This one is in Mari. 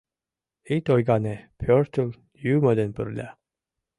«Ит ойгане, пӧртыл юмо ден пырля».